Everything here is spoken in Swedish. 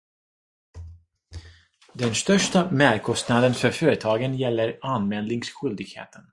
Den största merkostnaden för företagen gäller anmälningsskyldigheten.